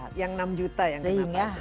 yang enam juta yang kena pajak sehingga